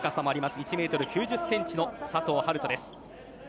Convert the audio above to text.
１ｍ９０ｃｍの佐藤遥斗です。